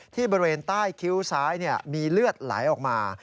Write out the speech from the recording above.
บริเวณใต้คิ้วซ้ายมีเลือดไหลออกมา